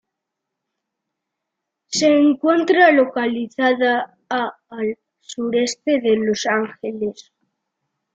Se encuentra localizada a al sureste de Los Ángeles.